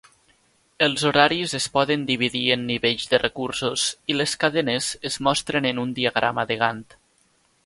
Els horaris es poden dividir en nivells de recursos, i les cadenes es mostren en un diagrama de Gantt.